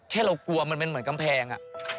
เรากลัวมันเป็นเหมือนกำแพง